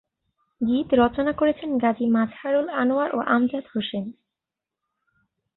গীত রচনা করেছেন গাজী মাজহারুল আনোয়ার ও আমজাদ হোসেন।